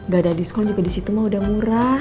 gak ada diskon juga di situ mah udah murah